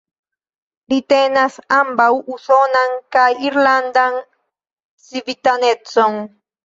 Li tenas ambaŭ usonan kaj irlandan civitanecon.